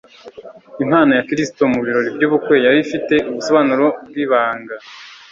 Impano ya Kristo mu birori by'ubukwe, yari ifite ubusobanuro bw'ibanga.